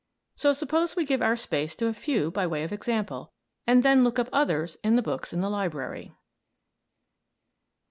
So suppose we give our space to a few by way of example, and then look up others in other books in the library.